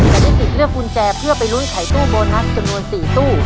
จะได้สิทธิ์เลือกกุญแจเพื่อไปลุ้นไขตู้โบนัสจำนวน๔ตู้